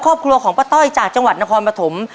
ครอบครัวของป้าต้อยจากจังหวัดนครปฐม